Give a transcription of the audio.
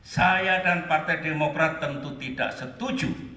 saya dan partai demokrat tentu tidak setuju